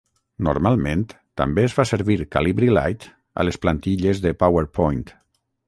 Normalment també es fa servir Calibri Light a les plantilles de Powerpoint.